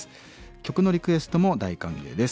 曲のリクエストも大歓迎です。